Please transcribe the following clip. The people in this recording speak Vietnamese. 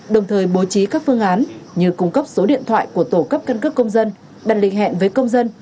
đồng thời bố trí các phương án như cung cấp số điện thoại của tổ cấp căn cước công dân đặt lịch hẹn với công dân